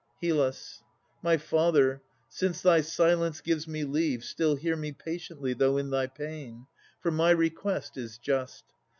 HYL. My father, since thy silence gives me leave, Still hear me patiently, though in thy pain! For my request is just.